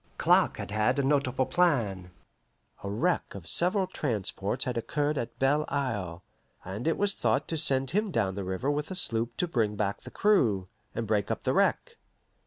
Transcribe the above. Clark had had a notable plan. A wreck of several transports had occurred at Belle Isle, and it was thought to send him down the river with a sloop to bring back the crew, and break up the wreck.